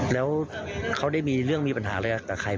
แล้วเขาได้มีเรื่องมีปัญหาอะไรกับใคร